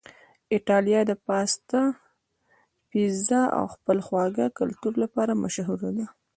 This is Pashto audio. ایتالیا د پاستا، پیزا او خپل خواږه کلتور لپاره مشهوره ده.